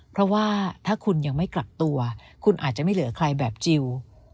เพราะว่าถ้าคุณยังไม่กลับตัวคุณอาจจะไม่เหลือใครแบบจิล